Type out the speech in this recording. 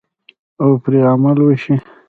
او پرې عمل وشي.